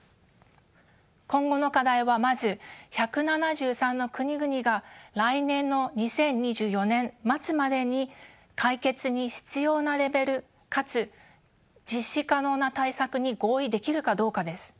今後の課題はまず１７３の国々が来年の２０２４年末までに解決に必要なレベルかつ実施可能な対策に合意できるかどうかです。